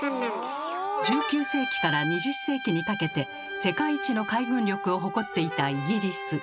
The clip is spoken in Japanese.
１９世紀から２０世紀にかけて世界一の海軍力を誇っていたイギリス。